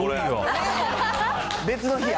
別の日や。